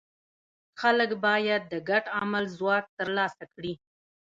خلک باید د ګډ عمل ځواک ترلاسه کړي.